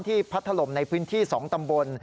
พัดถล่มในพื้นที่๒ตำบล